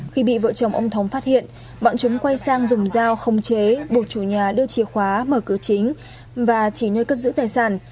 khi bị vợ chồng ông thống phát hiện bọn chúng quay sang dùng dao không chế buộc chủ nhà đưa chìa khóa mở cửa chính và chỉ nơi cất giữ tài sản